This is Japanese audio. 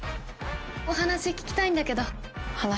お話、聞きたいんだけど。